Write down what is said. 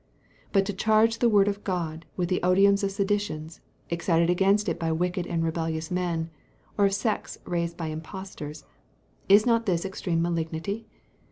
But to charge the word of God with the odium of seditions, excited against it by wicked and rebellious men, or of sects raised by imposters, is not this extreme malignity?